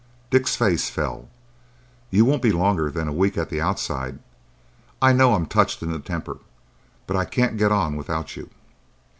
Dick's face fell. "You won't be longer than a week at the outside? I know I'm touched in the temper, but I can't get on without you."